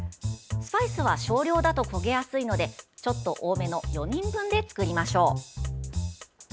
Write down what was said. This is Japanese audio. スパイスは少量だと焦げやすいのでちょっと多めの４人分で作りましょう。